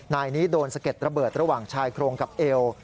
นายนี้โดนสะเก็ดระเบิดระหว่างชายโครงกับเอว